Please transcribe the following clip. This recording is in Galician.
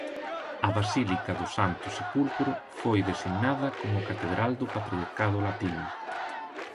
A basílica do Santo Sepulcro foi designada como catedral do patriarcado latino.